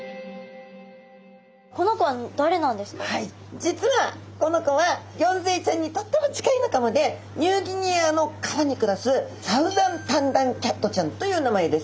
実はこの子はギョンズイちゃんにとっても近い仲間でニューギニアの川に暮らすサウザン・タンダンキャットちゃんという名前です。